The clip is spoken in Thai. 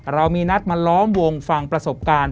เรามีนัดมาล้อมวงฟังประสบการณ์